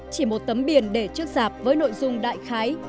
chỉ một tấm biển để trước giảp với nội dung đại khái